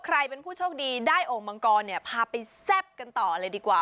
ใครเป็นผู้โชคดีได้โอ่งมังกรเนี่ยพาไปแซ่บกันต่อเลยดีกว่า